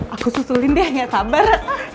aku susulin deh gak sabar